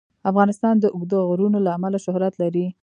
افغانستان د اوږده غرونه له امله شهرت لري.